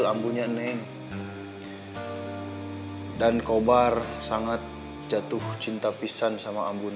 ampunya neng dan kobar sangat jatuh cinta pisan sama ampuneng